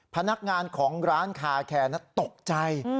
พนักงานของร้านคาแคร์ตกใจ